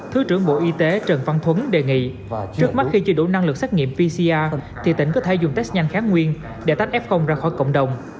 thứ trưởng bộ y tế trần văn thuấn đề nghị trước mắt khi chưa đủ năng lực xét nghiệm pcr thì tỉnh có thể dùng test nhanh kháng nguyên để tách f ra khỏi cộng đồng